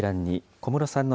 小室さんは、